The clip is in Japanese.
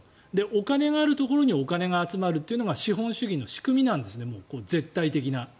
お金があるところにお金が集まるのが資本主義の仕組みなんです絶対的な。